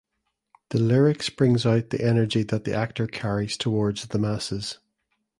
The lyrics brings out the energy that the actor carries towards the masses.